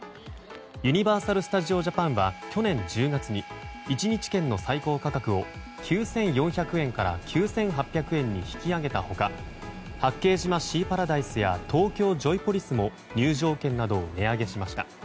ユニバーサル・スタジオ・ジャパンは去年１０月に１日券の最高価格を９４００円から９８００円に引き上げた他八景島シーパラダイスや東京ジョイポリスも入場券などを値上げしました。